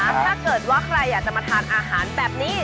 ถ้าเกิดว่าใครอยากจะมาทานอาหารแบบนี้